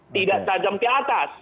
tidak tajam ke atas